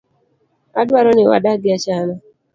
Adwaro ni wadagi achana.